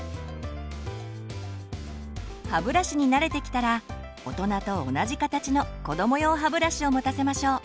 歯ブラシに慣れてきたら大人と同じ形のこども用歯ブラシを持たせましょう。